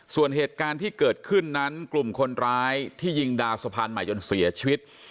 ส่วนเหตุการณ์ที่เกิดขึ้นนั้นกลุ่มคนร้ายที่ยิงดาวสะพานใหม่จนเสียชีวิต